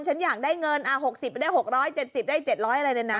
ฉันอยากได้เงิน๖๐ได้๖๗๐ได้๗๐๐อะไรเลยนะ